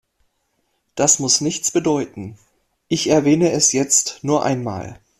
Das muss nichts bedeuten, ich erwähne es jetzt nur einmal.